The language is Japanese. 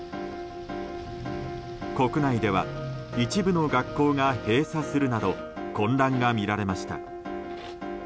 国内では一部の学校が閉鎖するなど混乱が見られました。